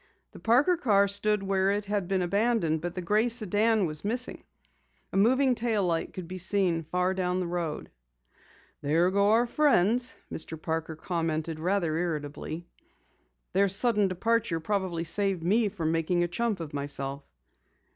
The Parker car stood where it had been abandoned, but the gray sedan was missing. A moving tail light could be seen far down the road. "There go our friends," Mr. Parker commented rather irritably. "Their sudden departure probably saved me from making a chump of myself."